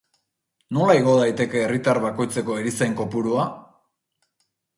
Nola igo daiteke herritar bakoitzeko erizain kopurua?